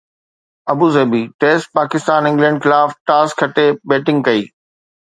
Abu Dhabi test: Pakistan England خلاف toss کٽي batting ڪئي